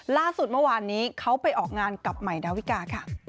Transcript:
ล่าสุดเมื่อวานนี้เขาไปออกงานกับใหม่ดาวิกาค่ะ